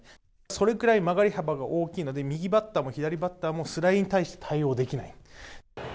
それくらい曲がり幅が大きいので右バッターも左バッターもスライダーに対応できない。